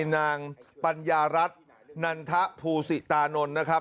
นางปัญญารัฐนันทภูสิตานนท์นะครับ